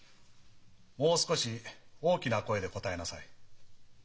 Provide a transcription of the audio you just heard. もう少し大きな声で答えなさい。